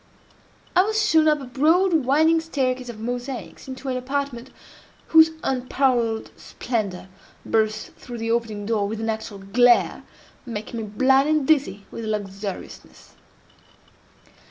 I was shown up a broad winding staircase of mosaics, into an apartment whose unparalleled splendor burst through the opening door with an actual glare, making me blind and dizzy with luxuriousness.